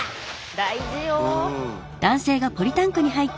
大事よ！